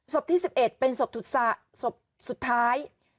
ที่๑๑เป็นศพสุดท้าย